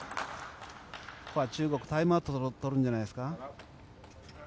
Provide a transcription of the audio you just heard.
ここは中国タイムアウトを取るんじゃないですか。